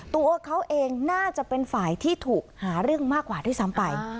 ตัวเขาเองน่าจะเป็นฝ่ายที่ถูกหาเรื่องมากกว่าด้วยซ้ำไป